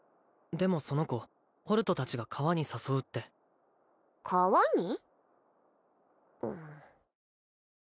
でもその子ホルト達が川に誘うって川に？